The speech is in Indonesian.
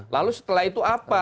lalu setelah itu apa